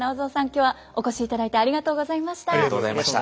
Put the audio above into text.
今日はお越しいただいてありがとうございました。